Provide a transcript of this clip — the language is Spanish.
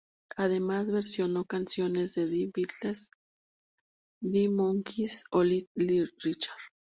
Además versionó canciones de The Beatles, The Monkees o Little Richard.